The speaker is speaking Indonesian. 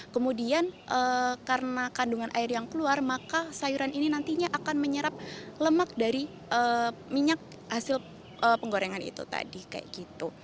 kemudian karena kandungan air yang keluar maka sayuran ini nantinya akan menyerap lemak dari minyak hasil penggorengan itu tadi kayak gitu